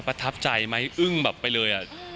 ประทับใจไหมอึ้งแบบไปเลย